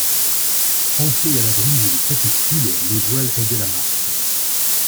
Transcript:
Enflées à la brise du crépuscule, les voiles aidaient la marche.